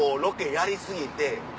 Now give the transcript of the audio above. やり過ぎた？